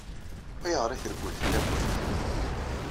Ayɣer i treggel fell-akent?